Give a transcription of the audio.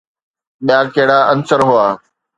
ٻيا ڪهڙا عنصر هئا؟